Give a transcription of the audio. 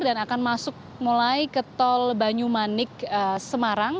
dan akan masuk mulai ke tol banyumanik semarang